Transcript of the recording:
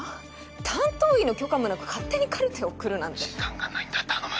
担当医の許可もなく勝手にカルテを送るなんて時間がないんだ頼む